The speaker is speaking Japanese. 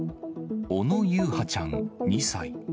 小野優陽ちゃん２歳。